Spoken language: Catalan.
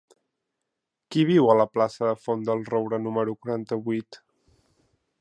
Qui viu a la plaça de la Font del Roure número quaranta-vuit?